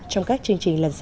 trong các chương trình lần sau